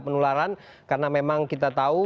penularan karena memang kita tahu